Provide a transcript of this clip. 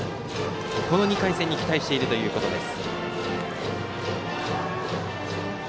この２回戦に期待しているということです。